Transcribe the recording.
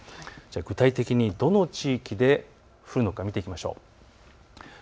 具体的にどの地域で降るのか見ていきましょう。